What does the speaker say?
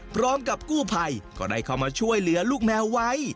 พร้อมกับกู้ภัยก็ได้เข้ามาช่วยเหลือลูกแมวไว้